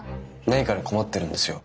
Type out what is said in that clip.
ないから困ってるんですよ。